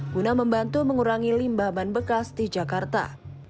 guna membantu mengurangi limbah ban bekas di jakarta